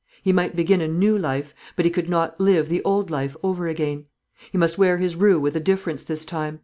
He might begin a new life, but he could not live the old life over again. He must wear his rue with a difference this time.